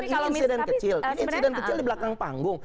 ini insiden kecil di belakang panggung